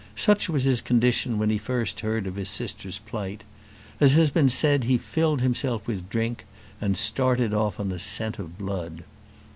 Such was his condition when he first heard of his sister's plight. As has been said, he filled himself with drink and started off on the scent of blood.